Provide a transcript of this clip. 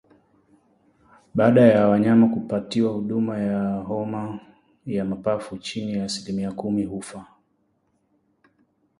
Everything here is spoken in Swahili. Baada ya wanyama kupatiwa huduma ya homa ya mapafu chini ya asilimia kumi hufa